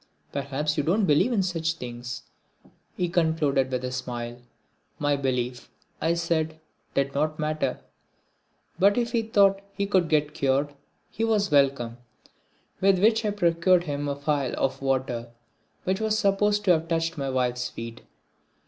"Perhaps you don't believe in such things," he concluded with a smile. My belief, I said, did not matter, but if he thought he could get cured, he was welcome, with which I procured him a phial of water which was supposed to have touched my wife's feet.